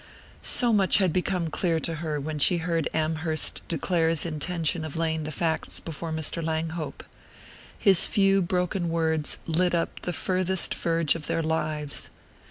So much had become clear to her when she heard Amherst declare his intention of laying the facts before Mr. Langhope. His few broken words lit up the farthest verge of their lives.